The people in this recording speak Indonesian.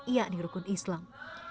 yakni rukun islam